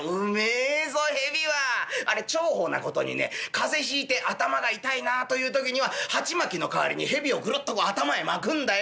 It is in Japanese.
風邪ひいて頭が痛いなという時には鉢巻きの代わりに蛇をグルッとこう頭へ巻くんだよ。